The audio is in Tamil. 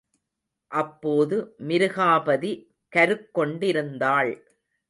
அப்போது மிருகாபதி கருக் கொண்டிருந்தாள்.